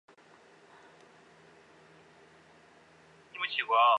但正是这些祠堂所代表的宗族势力构成了宣教士在中国传福音的最大障碍。